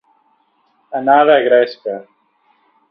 Anar de gresca.